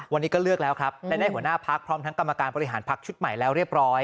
วันนี้ก็เลือกแล้วครับและได้หัวหน้าพักพร้อมทั้งกรรมการบริหารพักชุดใหม่แล้วเรียบร้อย